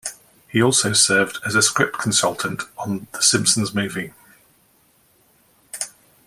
He also served as a script consultant on "The Simpsons Movie".